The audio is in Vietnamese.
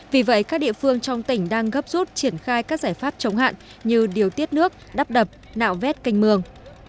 vì vậy các địa phương trong tỉnh đang gấp rút triển khai các giải pháp chống hạn như điều tiết nước đắp đập nạo vét canh mương